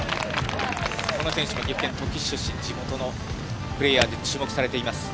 この選手、岐阜県土岐市出身、地元のプレーヤーで注目されています。